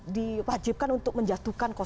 diwajibkan untuk menjatuhkan